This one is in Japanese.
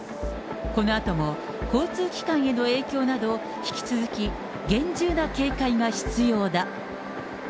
このあとも交通機関への影響など、引き続き厳重な警戒が必要だ。